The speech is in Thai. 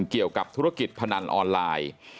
เกี่ยวกับธุรกิจพนันออนไลน์